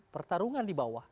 pertarungan di bawah